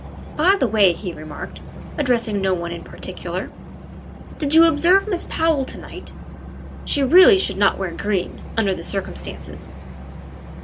" By the way," he remarked, addressing no one in particular, " did you observe Miss Powell to night? She really should not wear green, under the circumstances.